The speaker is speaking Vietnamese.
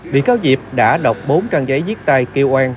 bị cáo diệp đã đọc bốn trang giấy viết tài kêu an